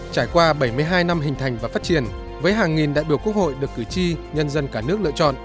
trải qua bảy mươi hai năm hình thành và phát triển với hàng nghìn đại biểu quốc hội được cử tri nhân dân cả nước lựa chọn